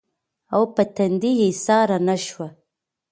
او پۀ تندې ايساره نۀ شوه